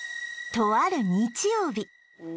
とある日曜日